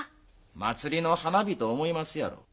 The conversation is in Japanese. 祭りの花火と思いますやろ。